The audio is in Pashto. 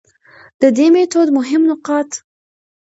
د دې ميتود مهم نقاط: